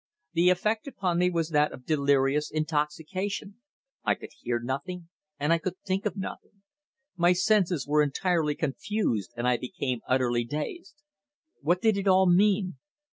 The effect upon me was that of delirious intoxication. I could hear nothing and I could think of nothing. My senses were entirely confused, and I became utterly dazed. What did it all mean?